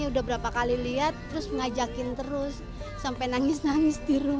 udah berapa kali lihat terus ngajakin terus sampai nangis nangis di rumah